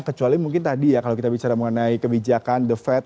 kecuali mungkin tadi ya kalau kita bicara mengenai kebijakan the fed